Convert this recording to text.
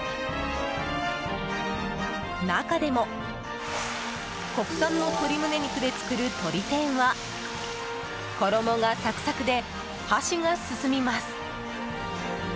中でも国産の鶏むね肉で作るとり天は衣がサクサクで箸が進みます。